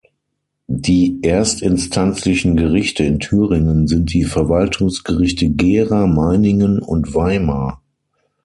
Die erstinstanzlichen Gerichte in Thüringen sind die Verwaltungsgerichte Gera, Meiningen und Weimar.